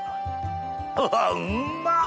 うわうんまっ。